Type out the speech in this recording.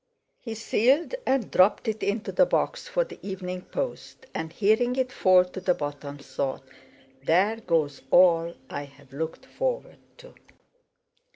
He sealed and dropped it into the box for the evening post, and hearing it fall to the bottom, thought: "There goes all I've looked forward to!"